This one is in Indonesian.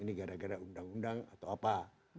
ini gara gara undang undang atau apa